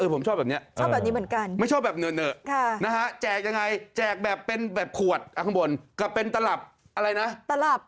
ผมชอบแบบนี้ไม่ชอบแบบเนื้อนะฮะแจกยังไงแจกแบบเป็นแบบขวดกันบนกระเป็นตลับอะไรนะตลับ